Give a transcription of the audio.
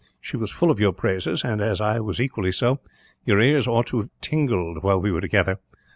She was full of your praises and, as I was equally so, your ears ought to have tingled while we were together.